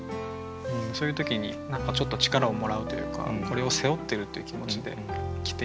そういう時に何かちょっと力をもらうというかこれを背負ってるっていう気持ちで着て行く。